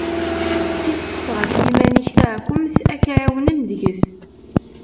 Ssifses ɣef yiman-ik taɛekkemt, ad k-ɛiwnen deg-s.